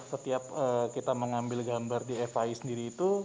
setiap kita mengambil gambar di fi sendiri itu